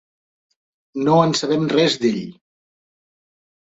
No en sabem res d'ell.